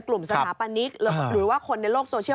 สถาปนิกหรือว่าคนในโลกโซเชียล